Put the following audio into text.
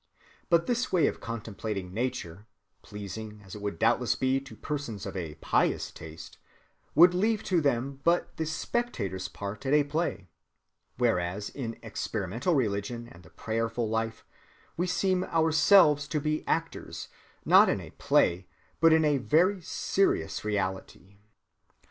But this way of contemplating nature, pleasing as it would doubtless be to persons of a pious taste, would leave to them but the spectators' part at a play, whereas in experimental religion and the prayerful life, we seem ourselves to be actors, and not in a play, but in a very serious reality.